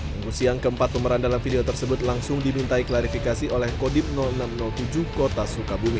minggu siang keempat pemeran dalam video tersebut langsung dimintai klarifikasi oleh kodim enam ratus tujuh kota sukabumi